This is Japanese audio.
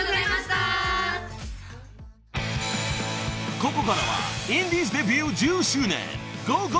［ここからはインディーズデビュー１０周年ｇｏ！